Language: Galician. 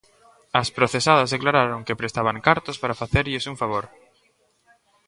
As procesadas declararon que prestaban cartos para facerlles un favor.